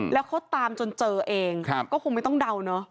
แล้วเขาตามจนเจอเองก็คงไม่ต้องเดาเนอะ